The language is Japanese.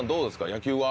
野球は。